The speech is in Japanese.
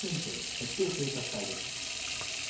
鉄道警察隊です。